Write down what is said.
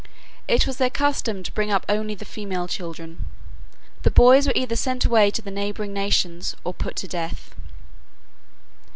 It was their custom to bring up only the female children; the boys were either sent away to the neighboring nations or put to death.